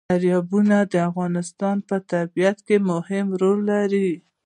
دریابونه د افغانستان په طبیعت کې مهم رول لري.